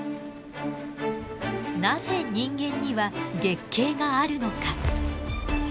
なぜ人間には月経があるのか。